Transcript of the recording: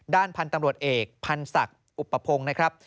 ด้านพันธุ์ตำรวจเอกพันธุ์สักอุปพงศ์